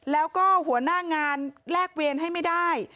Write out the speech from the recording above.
แล้วก็หัวหน้างานแลกเวรให้ไม่ได้